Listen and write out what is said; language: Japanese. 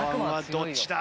どっちだ？